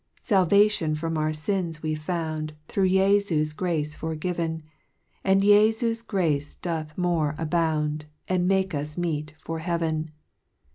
( 13 ) 5 Salvation from our fins we found, Through Jefu's grace forgiv'n ; And Jefu's grace doth more abound, And makes us meet for heaven.